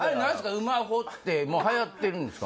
うま鵬ってはやってるんですか？